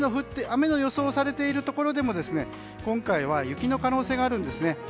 雨の予想されているところでも今回は雪の可能性があります。